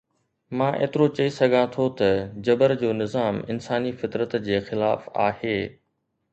مان ايترو چئي سگهان ٿو ته جبر جو نظام انساني فطرت جي خلاف آهي.